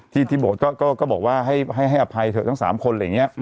ที่ที่บทก็บอกว่าให้อภัยเถอะทั้งสามคน